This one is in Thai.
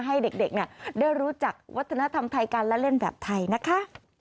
ให้เด็กได้รู้จักวัฒนธรรมไทยกันและเล่นแบบไทยนะคะ